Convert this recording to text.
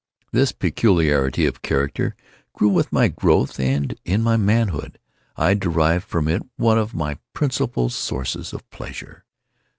This peculiarity of character grew with my growth, and in my manhood, I derived from it one of my principal sources of pleasure.